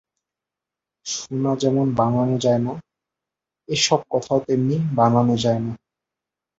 সোনা যেমন বানানো যায় না এ-সব কথাও তেমনি বানানো যায় না।